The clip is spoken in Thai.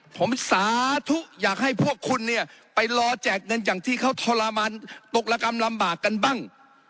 ผมสาธุอยากให้พวกคุณเนี่ยไปรอแจกเงินอย่างที่เขาทรมานตกระกรรมลำบากกันบ้าง